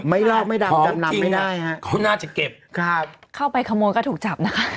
รอบไม่ดำจำนำไม่ได้ฮะเขาน่าจะเก็บครับเข้าไปขโมยก็ถูกจับนะคะ